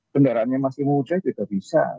kendaraannya masih muda tidak bisa